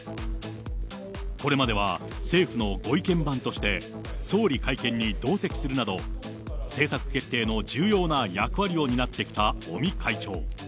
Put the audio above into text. これまでは、政府のご意見番として、総理会見に同席するなど、政策決定の重要な役割を担ってきた尾身会長。